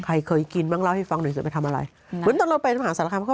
ใครเคยกินบ้างเล่าให้ฟังหน่อยจะไปทำอะไรเหมือนตอนเราไปมหาสารคามเขา